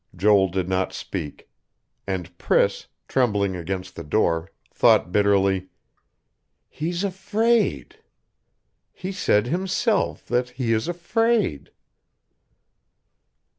Joel did not speak; and Priss, trembling against the door, thought bitterly: "He's afraid.... He said, himself, that he is afraid...."